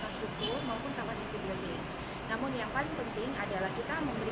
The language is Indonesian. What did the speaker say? termasuk kelompok bank sampah kelompok peserta dari bank sampah al mubarok